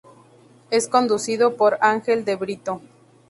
Es conducido por Ángel de Brito.